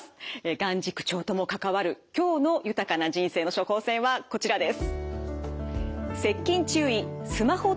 眼軸長とも関わる今日の豊かな人生の処方せんはこちらです。